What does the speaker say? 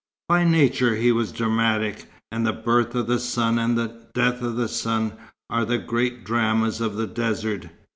By nature he was dramatic; and the birth of the sun and the death of the sun are the great dramas of the desert.